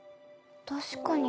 確かに。